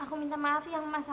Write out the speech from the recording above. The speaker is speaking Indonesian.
aku minta maaf yang mas